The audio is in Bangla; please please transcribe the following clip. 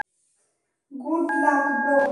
Good luck bro!